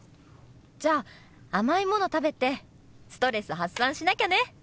じゃあ甘いもの食べてストレス発散しなきゃね！